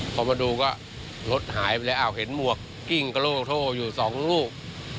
พอมาดูก็รถหายไปแล้วอ้าวเห็นหมวกกิ้งกระโลกโทอยู่สองลูก